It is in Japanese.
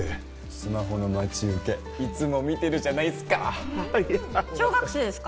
スマホの待ち受けいつも見てるじゃないっすか小学生ですか？